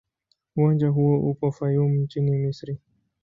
Uwanja huu upo Fayoum nchini Misri.